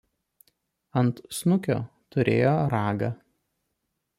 Ant snukio turėjo ragą.